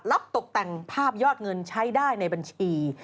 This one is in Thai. ตกแต่งภาพยอดเงินใช้ได้ในบัญชี